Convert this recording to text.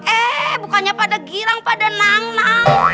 eh bukannya pada girang pada nang nang